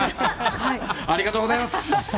ありがとうございます。